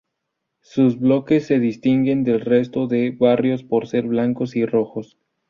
Sus bloques se distinguen del resto de barrios por ser blancos y rojos.